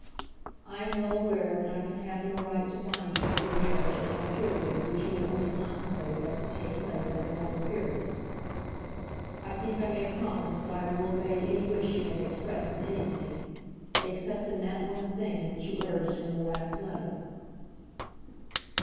I am well aware that I can have no right to bind you to a marriage at one period which you had only contemplated as to take place at another period. I think I may promise that I will obey any wish you may express in anything, except in that one thing which you urged in your last letter.